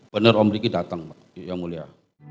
bener om riki datang ya mulia